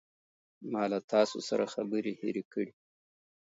ما له تاسو سره خبرې هیرې کړې.